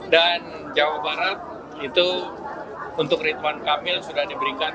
dan jawa barat itu untuk ridwan kamil sudah diberikan